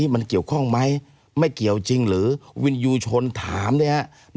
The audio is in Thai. ไม่เกี่ยวจริงหรือวินอยูชนถามนะครับ